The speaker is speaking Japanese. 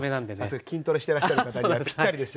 さすが筋トレしてらっしゃる方にならぴったりですよ。